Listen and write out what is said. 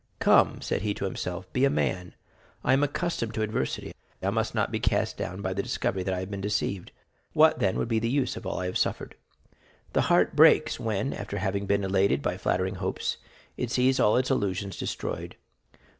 "Come," said he to himself, "be a man. I am accustomed to adversity. I must not be cast down by the discovery that I have been deceived. What, then, would be the use of all I have suffered? The heart breaks when, after having been elated by flattering hopes, it sees all its illusions destroyed.